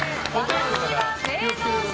私は芸能人！